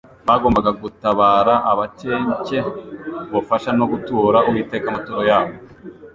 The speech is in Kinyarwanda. Bagombaga gutabara abakencye ubufasha no gutura Uwiteka amaturo yabo.